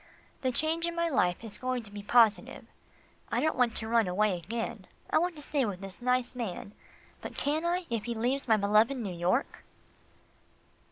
The change in my life is going to be positive. I don't want to run away again. I want to stay with this nice man, but can I, if he leaves my beloved New York?